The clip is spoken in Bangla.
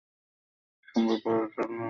সস্তার বরফজলে কী জল দেয় কে জানে!